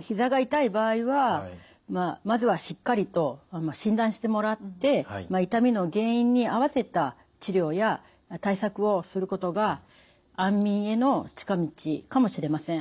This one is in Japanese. ひざが痛い場合はまずはしっかりと診断してもらって痛みの原因に合わせた治療や対策をすることが安眠への近道かもしれません。